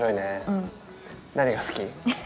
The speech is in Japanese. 何が好き？